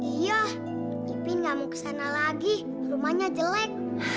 iya ipin gak mau kesana lagi rumahnya jelek